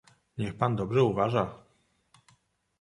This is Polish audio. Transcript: "„Niech pan dobrze uważa!"